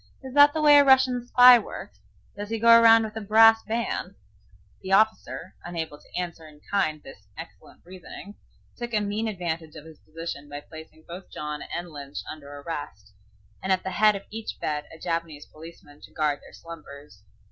Is that the way a Russian spy works? Does he go around with a brass band?" The officer, unable to answer in kind this excellent reasoning, took a mean advantage of his position by placing both John and Lynch under arrest, and at the head of each bed a Japanese policeman to guard their slumbers.